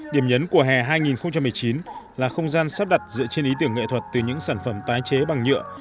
điểm nhấn của hè hai nghìn một mươi chín là không gian sắp đặt dựa trên ý tưởng nghệ thuật từ những sản phẩm tái chế bằng nhựa